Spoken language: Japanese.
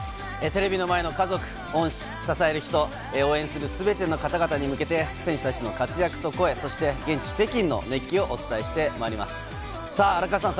テレビの前の家族、恩師、支える人、応援するすべての方々に向けて選手たちの活躍と声、そして現地北京の熱気をお伝えしてまいります。